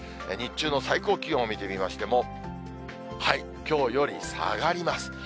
日中の最高気温を見てみましても、きょうより下がります。